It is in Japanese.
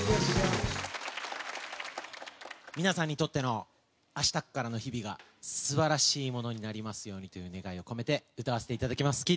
皆さんにとっての明日からの日々が素晴らしいものになりますようにという願いを込めて歌わせていただきます。